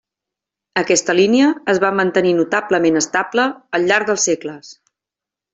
Aquesta línia es va mantenir notablement estable al llarg dels segles.